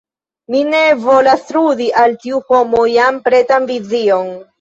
Mi ne volas trudi al tiu homo jam pretan vizion.